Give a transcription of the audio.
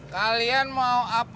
kalian mau apa